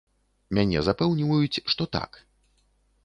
Мяне запэўніваюць, што так.